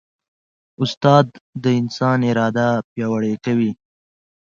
استاد د انسان اراده پیاوړې کوي.